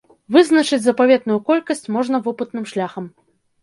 Вызначыць запаветную колькасць можна вопытным шляхам.